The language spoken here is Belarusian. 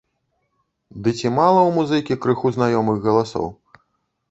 Ды ці мала ў музыкі крыху знаёмых галасоў?!